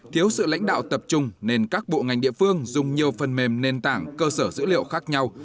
thiếu sự lãnh đạo tập trung nên các bộ ngành địa phương dùng nhiều phần mềm nền tảng cơ sở dữ liệu khác nhau